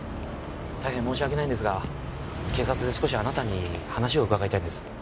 大変申し訳ないんですが警察で少しあなたに話を伺いたいんです。